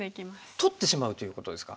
取ってしまうということですか？